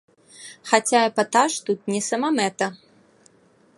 Хаця эпатаж тут не самамэта.